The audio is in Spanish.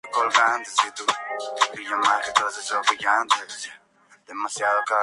El siguiente diagrama muestra a las localidades en un radio de de Patrick.